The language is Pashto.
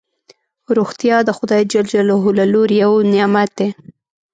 روغتیا دخدای ج له لوری یو نعمت دی